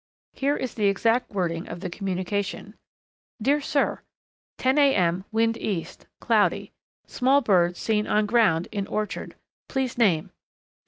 Here is the exact wording of the communication: "Dear Sir: 10 A. M. Wind East. Cloudy. Small bird seen on ground in orchard. Please name.